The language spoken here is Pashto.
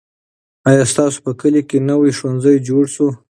آیا ستاسو په کلي کې نوی ښوونځی جوړ سو؟